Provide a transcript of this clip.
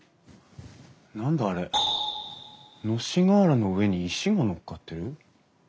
何だあれ？のし瓦の上に石が載っかってる？